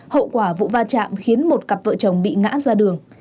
hậu quả vụ va chạm khiến một cặp vợ chồng bị ngã ra đường